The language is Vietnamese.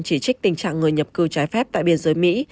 chỉ trích tình trạng người nhập cư trái phép tại biên giới mỹ